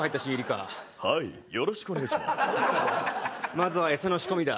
まずはエサの仕込みだ。